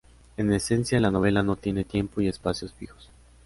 En esencia la novela no tiene tiempo y espacios fijos.